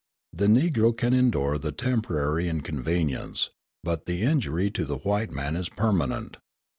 The Negro can endure the temporary inconvenience, but the injury to the white man is permanent.